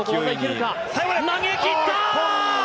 投げ切った！